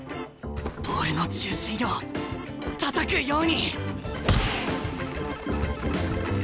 ボールの中心をたたくように！